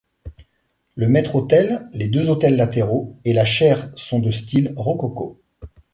Le maître-autel, les deux autels latéraux, et la chair sont du style rococo.